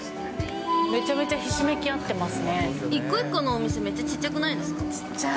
めちゃくちゃひしめき合って一個一個のお店、めっちゃちちっちゃい。